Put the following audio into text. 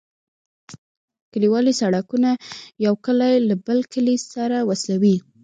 کليوالي سرکونه یو کلی له بل کلي سره وصلوي